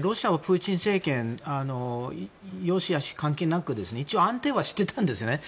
ロシアもプーチン政権良し悪し関係なく一応安定はしてたんですよね。